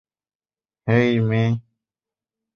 হেই, মে।